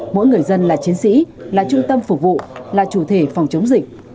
mỗi người dân là chiến sĩ là trung tâm phục vụ là chủ thể phòng chống dịch